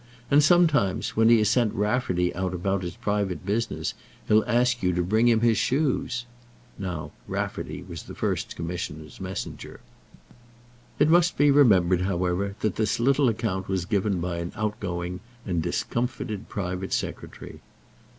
And, sometimes, when he has sent Rafferty out about his private business, he'll ask you to bring him his shoes." Now Rafferty was the First Commissioner's messenger. It must be remembered, however, that this little account was given by an outgoing and discomfited private secretary.